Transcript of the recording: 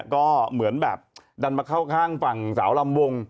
ก็เหมือนแบบดันมาเข้าข้างฝั่งสาวลำวง